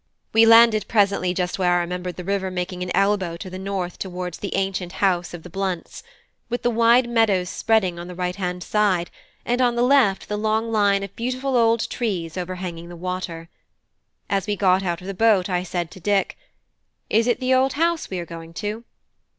We landed presently just where I remembered the river making an elbow to the north towards the ancient house of the Blunts; with the wide meadows spreading on the right hand side, and on the left the long line of beautiful old trees overhanging the water. As we got out of the boat, I said to Dick "Is it the old house we are going to?"